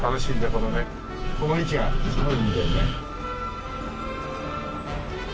このねこの位置がすごいいいんだよね。